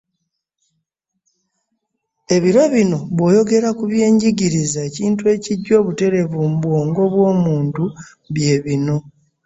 Ebiro bino bw’oyogera ku byenjigiriza ekintu ekijja obutereebu mu bwongo obw’omuntu bye bino.